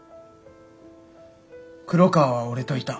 黒川は俺といた。